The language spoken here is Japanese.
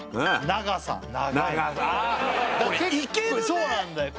そうなんだよ